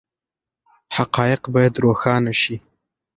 حقایق باید روښانه شي.